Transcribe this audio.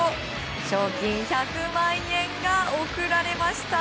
賞金１００万円が贈られました。